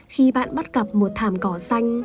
khi bạn bắt gặp một thảm cỏ xanh